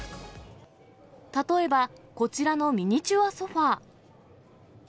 例えば、こちらのミニチュアソファー。